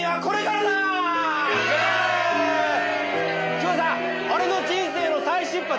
今日はさ俺の人生の再出発！